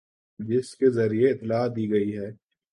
جس کے ذریعے اطلاع دی گئی ہے